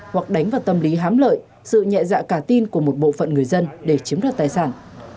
hoặc đánh vào tâm lý hám lợi sự nhẹ dạ cả tin của một bộ phận người dân để chiếm đoạt tài sản